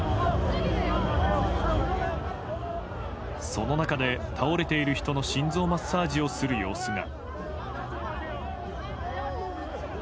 その中で、倒れている人の心臓マッサージをする様子が。